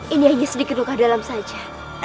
ini hanya sedikit luka dalam saja